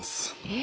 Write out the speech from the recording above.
え！